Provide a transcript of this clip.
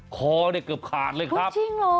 คอทร์เกือบขากเลยครับ